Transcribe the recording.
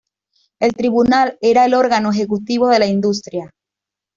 El Tribunal era el órgano ejecutivo de la industria.